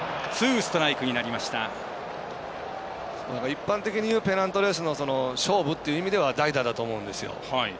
一般的に言うペナントレースの勝負という意味では代打だと思うんですよ。